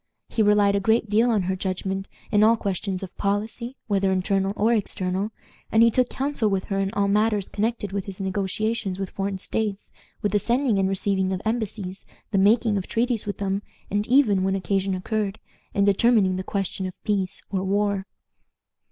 He relied a great deal on her judgment in all questions of policy, whether internal or external; and he took counsel with her in all matters connected with his negotiations with foreign states, with the sending and receiving of embassies, the making of treaties with them, and even, when occasion occurred, in determining the question of peace or war.